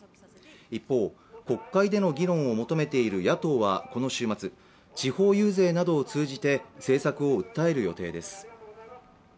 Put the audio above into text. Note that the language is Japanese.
一方、国会での議論を求めている野党はこの週末、地方遊説などを通じて政策を訴える予定です。